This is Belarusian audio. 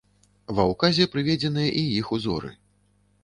Ва ўказе прыведзеныя і іх узоры.